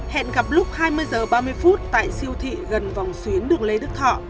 hẹn gặp lúc hai mươi h ba mươi phút tại siêu thị gần vòng xuyến đường lê đức thọ